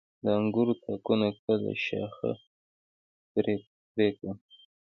د انګورو تاکونه کله شاخه بري کړم؟